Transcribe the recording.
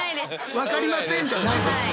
分かりませんじゃないです。